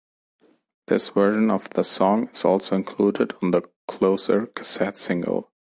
This version of the song is also included on the "Closer" cassette single.